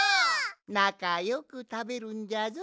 なかよくたべるんじゃぞ。